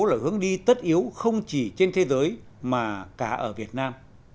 là hướng đi tất yếu không chỉ trên thế giới mà cả ở việt nam